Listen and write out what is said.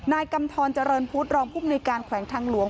กำทรเจริญพุทธรองภูมิในการแขวงทางหลวง